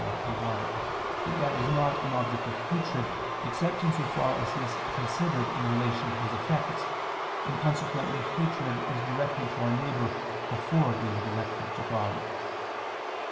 1), that God is not an object of hatred, except in so far as He is considered in relation to His effects, and consequently hatred is directed to our neighbor before being directed to God.